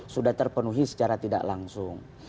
sudah terpenuhi secara tidak langsung